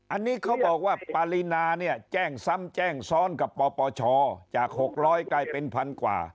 อันนี้เขาบอกว่าปรินาแจ้งซ้ำแจ้งซ้อนกับปศจาก๖๐๐กลายเป็น๑๐๐๐กว่า